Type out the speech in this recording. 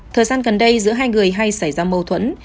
thời gian gần đây giữa hai người hay xảy ra mâu thuẫn